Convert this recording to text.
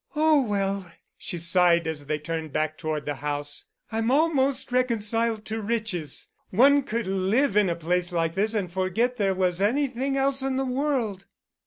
"Oh, well," she sighed as they turned back toward the house, "I'm almost reconciled to riches. One could live in a place like this and forget there was anything else in the world."